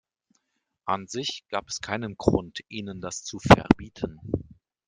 An sich gab es keinen Grund, ihnen das zu verbieten.